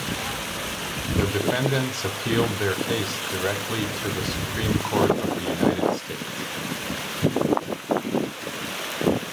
The defendants appealed their case directly to the Supreme Court of the United States.